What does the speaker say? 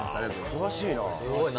詳しいな。